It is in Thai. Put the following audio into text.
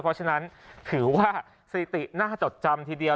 เพราะฉะนั้นถือว่าสถิติน่าจดจำทีเดียว